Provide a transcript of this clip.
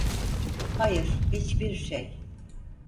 Hayır, hiçbir şey.